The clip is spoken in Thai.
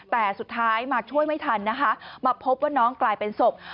แต่สุดท้ายมาช่วยไม่ทันนะคะมาพบว่าน้องกลายเป็นศพ